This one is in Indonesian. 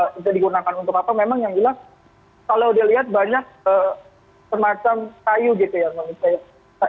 bagaimana digunakan untuk apa memang yang jelas kalau dilihat banyak semacam kayu gitu ya